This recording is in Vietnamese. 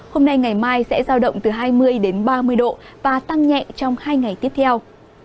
hôm nay ngày mai sẽ giao động từ hai mươi ba mươi độ và tăng nhẹ trong hai ngày tiếp theo